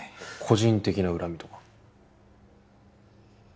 個人的な恨みとか？